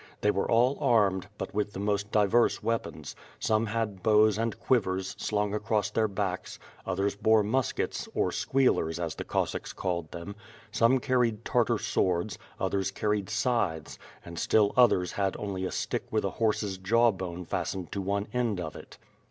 They were all armed, but with the most diverse weapons; some had bows and quivers slung across their backs; others bore muskets, or squealers as the Cossacks called them; some carried Tartar swords, others carried scythes, and still others had only a stick with a horse's jaw bone fastened to one end of it.